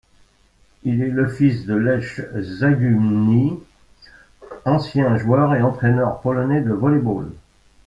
Il est le fils de Lech Zagumny, ancien joueur et entraîneur polonais de volley-ball.